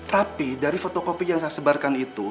tapi dari foto kopi yang saya sebarkan itu